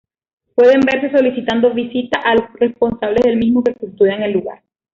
Pueden verse solicitando visita a los responsables del mismo que custodian el lugar.